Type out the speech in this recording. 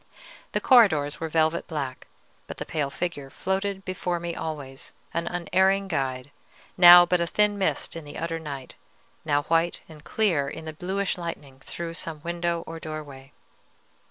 The corridors were velvet black; but the pale figure floated before me always, an unerring guide, now but a thin mist on the utter night, now white and clear in the bluish lightning through some window or doorway.